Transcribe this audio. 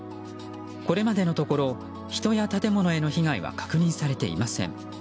これまでのところ人や建物への被害は確認されていません。